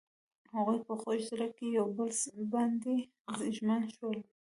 هغوی په خوږ زړه کې پر بل باندې ژمن شول.